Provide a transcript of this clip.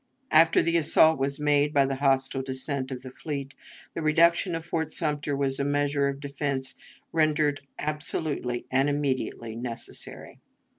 After the assault was made by the hostile descent of the fleet, the reduction of Fort Sumter was a measure of defense rendered absolutely and immediately necessary.